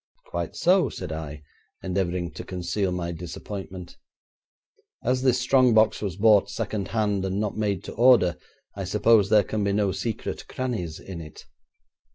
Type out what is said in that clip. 'Quite so,' said I, endeavouring to conceal my disappointment. 'As this strong box was bought second hand and not made to order, I suppose there can be no secret crannies in it?'